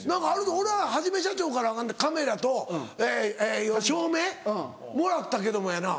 俺ははじめしゃちょーからカメラと照明もらったけどもやな。